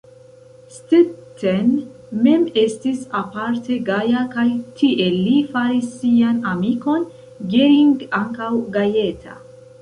Stetten mem estis aparte gaja kaj tiel li faris sian amikon Gering ankaŭ gajeta.